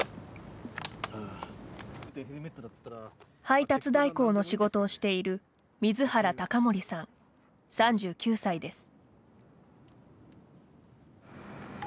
配達代行の仕事をしている水原剛守さん、３９歳です。